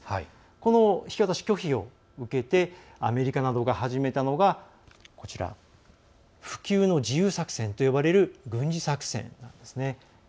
この引き渡し拒否を受けてアメリカなどが始めたのが不朽の自由作戦と呼ばれる軍事作戦です。